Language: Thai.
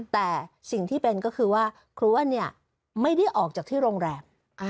แต่สิ่งที่เป็นก็คือว่าครัวเนี่ยไม่ได้ออกจากที่โรงแรม